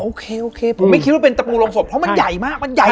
โอเคผมไม่คิดว่าเป็นตะปูโรงศพเพราะมันใหญ่มาก